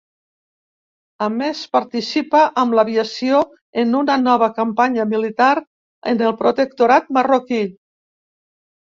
A més participa amb l'aviació en una nova campanya militar en el protectorat marroquí.